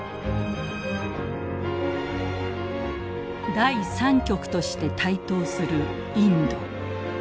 第３極として台頭するインド。